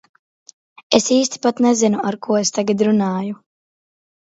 Es īsti pat nezinu, ar ko es tagad runāju...